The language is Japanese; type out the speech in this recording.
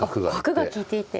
角が利いていて。